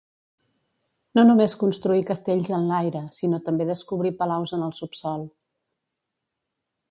No només construir castells en l'aire, sinó també descobrir palaus en el subsòl.